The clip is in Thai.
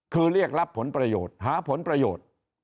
คือเรียกรับผลประโยชน์หาผลประโยชน์